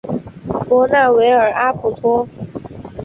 博纳维尔阿普托。